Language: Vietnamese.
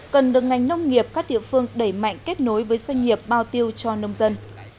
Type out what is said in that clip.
cần được ngành nông nghiệp các địa phương đẩy mạnh kết nối với doanh nghiệp bao tiêu cho nông dân